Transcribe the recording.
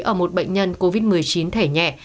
ở một bệnh nhân covid một mươi chín thẻ nhẹ